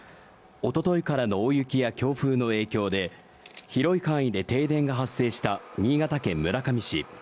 おとといからの大雪や強風の影響で広い範囲で停電が発生した新潟県村上市。